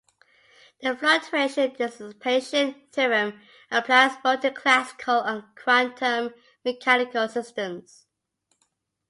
The fluctuation-dissipation theorem applies both to classical and quantum mechanical systems.